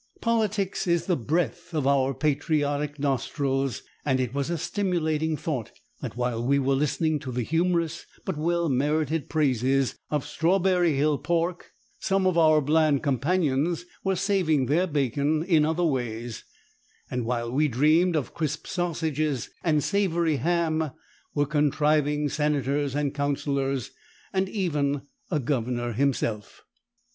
Politics is the breath of our patriotic nostrils, and it was a stimulating thought that while we were listening to the humorous but well merited praises of Strawberry Hill pork, some of our bland companions were saving their bacon in other ways; and while we dreamed of crisp sausages and savory ham, were contriving Senators and Councillors, and even a Governor himself.